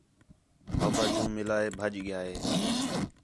موقع جوں مِلا ہے بَھڄ ڳِیا ہے